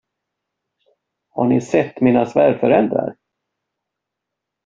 Har ni sett mina svärföräldrar?